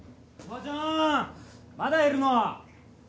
まだいるの？